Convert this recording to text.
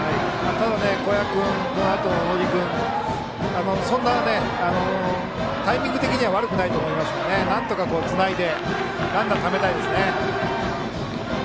ただ、小矢君とこのあとの野路君もそんなタイミング的には悪くないのでなんとかつないでランナーをためたいですね。